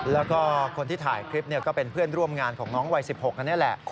แล้วก็คนที่ถ่ายคลิปก็เป็นเพื่อนร่วมงานของน้องวัย๑๖อันนี้แหละ